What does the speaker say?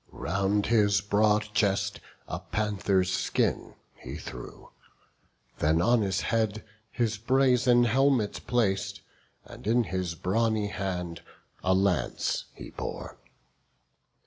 Round his broad chest a panther's skin he threw; Then on his head his brazen helmet plac'd, And in his brawny hand a lance he bore.